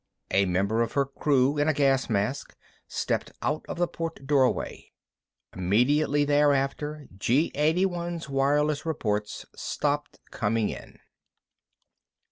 A member of her crew, in a gas mask, stepped out of the port doorway. Immediately thereafter G 81's wireless reports stopped coming in.